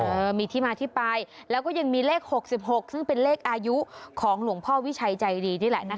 เออมีที่มาที่ไปแล้วก็ยังมีเลข๖๖ซึ่งเป็นเลขอายุของหลวงพ่อวิชัยใจดีนี่แหละนะคะ